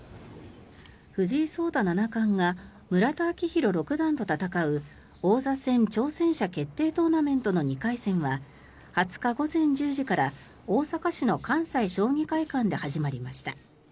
藤井聡太七冠が村田顕弘六段と戦う王座戦挑戦者決定トーナメントの２回戦は２０日午前１０時から大阪市の関西将棋会館で始まりました。